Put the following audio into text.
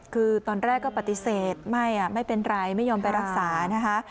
คือตอนแรกก็ปฏิเสธไม่ไม่เป็นไรไม่ยอมไปรักษานะคะ